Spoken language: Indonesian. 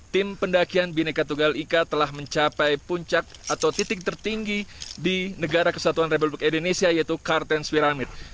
tim pendakian bineka tunggal ika telah mencapai puncak atau titik tertinggi di negara kesatuan republik indonesia yaitu kartens wiramid